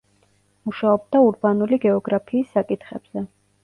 მუშაობდა ურბანული გეოგრაფიის საკითხებზე.